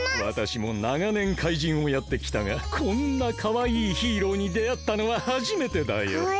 わたしもながねんかいじんをやってきたがこんなかわいいヒーローにであったのははじめてだよ。